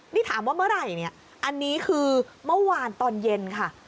นี่ถามว่าเมื่อไหร่เนี่ยอันนี้คือเมื่อวานตอนเย็นค่ะ